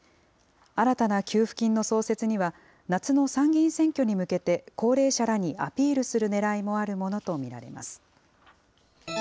新たな給付金の創設には、夏の参議院選挙に向けて、高齢者らにアピールするねらいもあるものと見られます。